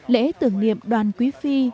lễ tưởng niệm đoàn quý phi